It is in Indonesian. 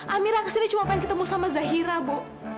amira kesini cuma pengen ketemu sama zahira ibu